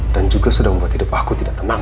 dan juga sudah membuat hidup aku tidak tenang